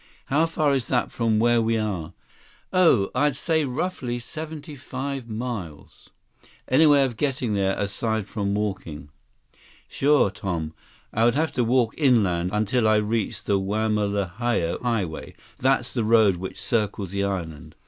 "How far is that from where we are?" "Oh, I'd say roughly seventy five miles." "Any way of getting there, aside from walking?" 162 "Sure, Tom. I would have to walk inland until I reached the Wamalahoa Highway—that's the road which circles the island.